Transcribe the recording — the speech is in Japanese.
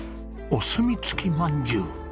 お炭つきまんじゅう。